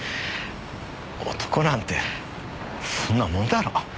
男なんてそんなもんだろ。